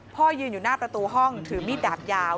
ยืนอยู่หน้าประตูห้องถือมีดดาบยาว